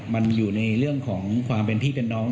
มันอยู่ในเรื่องของความเป็นพี่เป็นน้อง